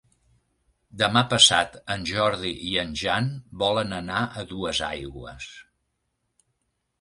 Demà passat en Jordi i en Jan volen anar a Duesaigües.